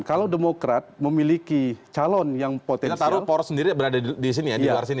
kalau demokrat memiliki calon yang bergabung